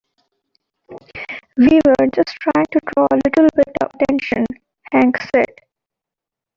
"We were just trying to draw a little bit of attention," Hank said.